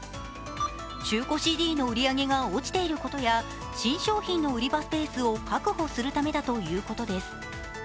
中古ＣＤの売り上げが落ちていることや、新商品の売り場スペースを確保するためだということです。